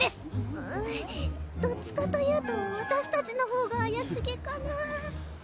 うんどっちかというとわたしたちのほうがあやしげかな